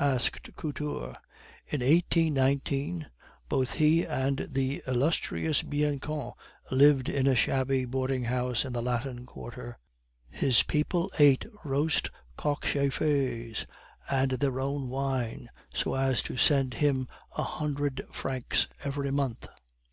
asked Couture. "In 1819 both he and the illustrious Bianchon lived in a shabby boarding house in the Latin Quarter; his people ate roast cockchafers and their own wine so as to send him a hundred francs every month.